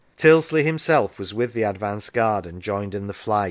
Tyldesley himself was with the advance guard, and joined in the flight.